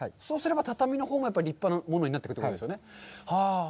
畳のほうが立派なものになってくるということですよね。